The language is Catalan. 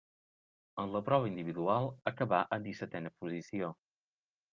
En la prova individual acabà en dissetena posició.